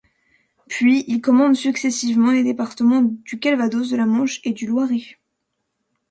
Puis il commande successivement les départements du Calvados, de la Manche et du Loiret.